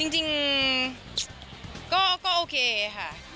จริงก็โอเคค่ะ